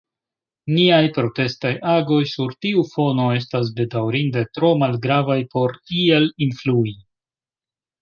Niaj protestaj agoj sur tiu fono estas, bedaŭrinde, tro malgravaj por iel influi.